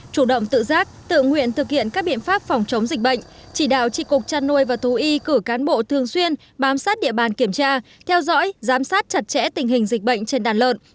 chủ động tự giác tự nguyện thực hiện các biện pháp phòng chống dịch bệnh chỉ đạo trị cục chăn nuôi và thú y cử cán bộ thường xuyên bám sát địa bàn kiểm tra theo dõi giám sát chặt chẽ tình hình dịch bệnh trên đàn lợn